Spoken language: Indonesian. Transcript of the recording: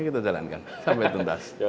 kita jalankan sampai tuntas